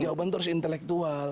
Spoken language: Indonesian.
jawaban itu harus intelektual